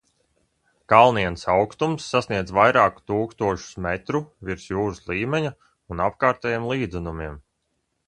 Kalnienes augstums sasniedz vairāku tūkstošus metru virs jūras līmeņa un apkārtējiem līdzenumiem.